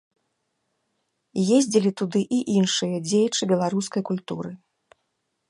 Ездзілі туды і іншыя дзеячы беларускай культуры.